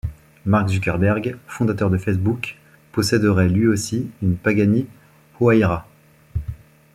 Mark Zuckerberg, fondateur de Facebook posséderait lui aussi une Pagani Huayra.